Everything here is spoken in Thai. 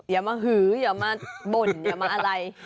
อย่ามาหืออย่ามาบ่นอย่ามาอะไร